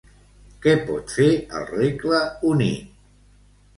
Què pot fer el Regle Unit?